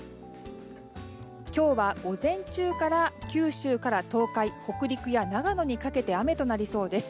今日は午前中から九州から東海北陸や長野にかけて雨となりそうです。